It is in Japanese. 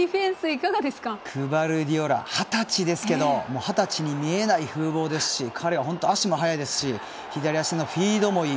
グバルディオルは二十歳ですけど二十歳に見えない風貌ですし彼は本当に足も速いですし左足のフィードもいい